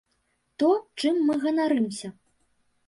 То, чым мы ганарымся.